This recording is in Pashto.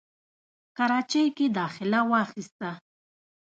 کراچۍ کښې داخله واخسته،